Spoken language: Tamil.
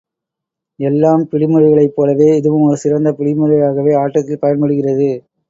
எல்லாப் பிடி முறைகளைப் போலவே, இதுவும் ஒரு சிறந்த பிடிமுறையாகவே ஆட்டத்தில் பயன்படுகிறது.